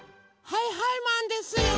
はいはいマンですよ！